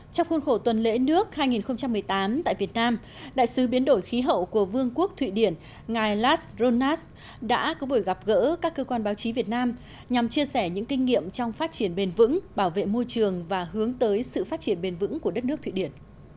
trong khuôn khổ tuần lễ nước hai nghìn một mươi tám tại việt nam đại sứ biến đổi khí hậu của vương quốc thụy điển ngài las ronas đã có buổi gặp gỡ các cơ quan báo chí việt nam nhằm chia sẻ những kinh nghiệm trong phát triển bền vững bảo vệ môi trường và hướng tới sự phát triển bền vững của đất nước thụy điển